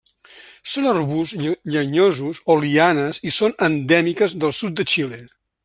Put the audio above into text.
Són arbusts llenyosos o lianes i són endèmiques del sud de Xile.